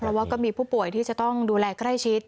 เพราะว่าก็มีผู้ป่วยที่จะต้องดูแลใกล้ชิด